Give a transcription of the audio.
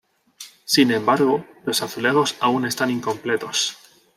Sin embargo, los azulejos aún están incompletos.